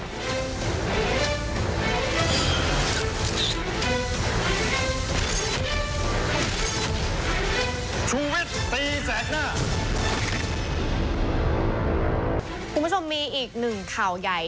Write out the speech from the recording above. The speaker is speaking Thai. คุณผู้ชมมีอีกหนึ่งข่าวใหญ่